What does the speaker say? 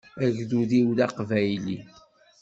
Agdud-iw d aqbayli.